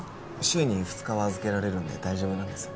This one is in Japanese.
週に２日は預けられるんで大丈夫なんです